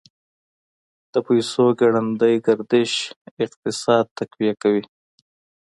د پیسو ګړندی گردش اقتصاد تقویه کوي.